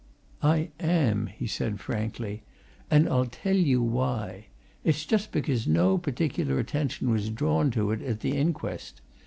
"I am!" he said, frankly. "And I'll tell you why. It's just because no particular attention was drawn to it at the inquest.